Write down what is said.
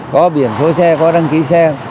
có biển phố xe có đăng ký xe